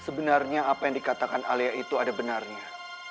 ma sebenarnya apa yang dikatakan alea itu ada benarnya